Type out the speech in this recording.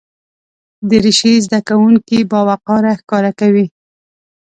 دریشي زده کوونکي باوقاره ښکاره کوي.